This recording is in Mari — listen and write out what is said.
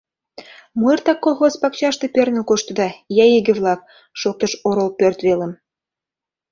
— Мо эртак колхоз пакчаште перныл коштыда, ия иге-влак! — шоктыш орол пӧрт велым.